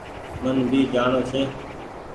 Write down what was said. من ڀي جآڻو ڇي۔